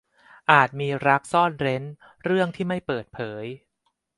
อาจมีรักซ่อนเร้นเรื่องที่ไม่เปิดเผย